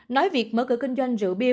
nói việc mở cửa kinh doanh rượu bia